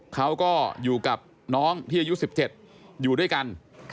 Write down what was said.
เขาก็อยู่กับน้องที่อายุ๑๗อยู่ด้วยกัน